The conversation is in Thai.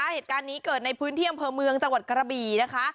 เหตุการณ์นี้เกิดในพื้นที่อำเภอเมืองจังหวัดกระบี่นะคะ